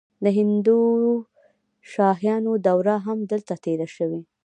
د هندوشاهیانو دوره هم دلته تیره شوې